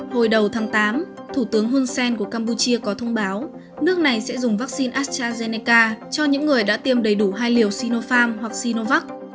hồi đầu tháng tám thủ tướng hun sen của campuchia có thông báo nước này sẽ dùng vaccine astrazeneca cho những người đã tiêm đầy đủ hai liều sinofarm hoặc sinovac